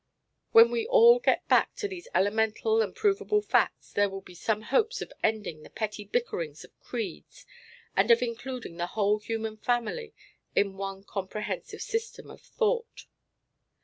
When we all get back to these elemental and provable facts there will be some hopes of ending the petty bickerings of creeds, and of including the whole human family in one comprehensive system of thought.